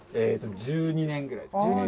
「１２年ぐらい」